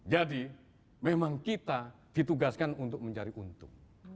jadi memang kita ditugaskan untuk mencari untung